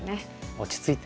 落ち着いて。